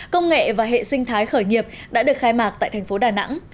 công nghệ và hệ sinh thái khởi nghiệp đã được khai mạc tại thành phố đà nẵng